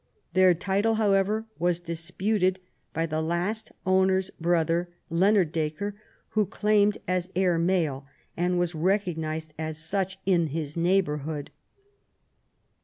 Their title, however, was disputed by the last owner's brother, Leonard Dacre, who claimed as heir male, and was recognised as such in his neighbourhood.